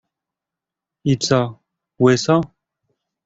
I co, łyso?